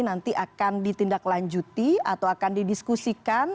nanti akan ditindaklanjuti atau akan didiskusikan